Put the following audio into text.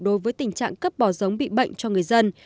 đối với tình trạng cấp bỏ giống bị bệnh cho người dân